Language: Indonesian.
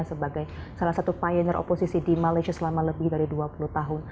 sebagai salah satu pioner oposisi di malaysia selama lebih dari dua puluh tahun